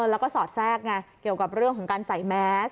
แล้วก็สอดแทรกไงเกี่ยวกับเรื่องของการใส่แมส